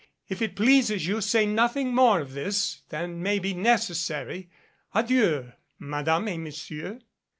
If it pleases you, say noth ing more of this than may be necessary. Adieu, Madame ct Monsieur."